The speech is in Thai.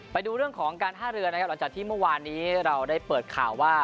ไปดูเรื่องของการท่าเรือนะครับหลังจากที่เมื่อวานนี้เราได้เปิดข่าวว่า